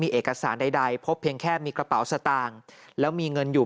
เอกสารใดพบเพียงแค่มีกระเป๋าสตางค์แล้วมีเงินอยู่